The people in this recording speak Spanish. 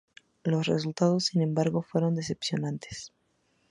Los resultados sin embargo fueron decepcionantes.